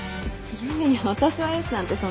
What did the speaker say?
いえいえ私はエースなんてそんな。